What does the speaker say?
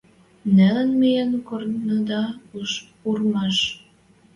Нӓлӹн миэн корныда урмаш.